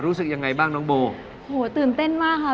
รู้สึกยังไงบ้างน้องโบโอ้โหตื่นเต้นมากค่ะ